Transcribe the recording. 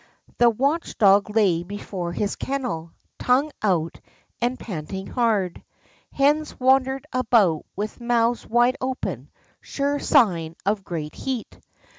The watch dog lay before his kennel, tongue out and panting hard. liens wandered about with mouths wide open, sure sign of great heat.